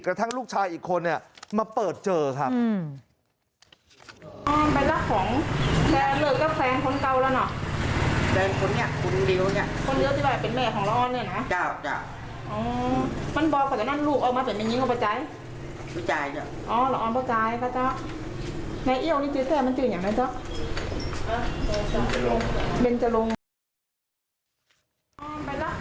กระทั่งลูกชายอีกคนมาเปิดเจอครับ